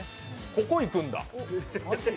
ここいくんだ。